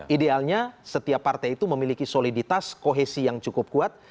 idealnya setiap partai itu memiliki soliditas kohesi yang cukup kuat